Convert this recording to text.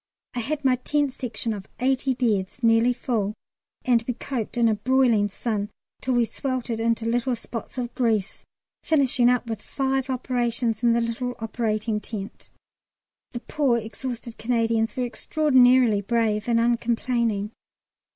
I had my Tent Section of eighty beds nearly full, and we coped in a broiling sun till we sweltered into little spots of grease, finishing up with five operations in the little operating tent. The poor exhausted Canadians were extraordinarily brave and uncomplaining.